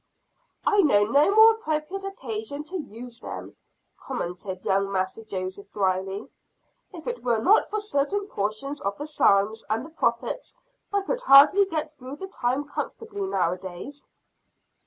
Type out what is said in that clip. "I know no more appropriate occasion to use them," commented young Master Joseph drily. "If it were not for certain portions of the psalms and the prophets, I could hardly get through the time comfortably nowadays."